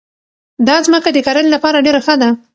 دا ځمکه د کرنې لپاره ډېره ښه ده.